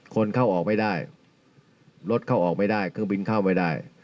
คนเข้าออกไม่ได้รถเข้าออกไม่ได้เครื่องบินเข้าไม่ได้